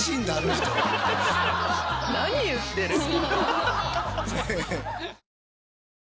何言ってるの。